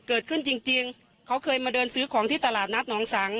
เกิดขึ้นจริงจริงเขาเคยมาเดินซื้อของที่ตลาดนัดน้องสัง